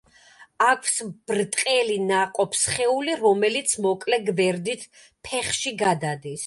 აქვს ბრტყელი ნაყოფსხეული, რომელიც მოკლე გვერდით ფეხში გადადის.